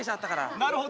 なるほど。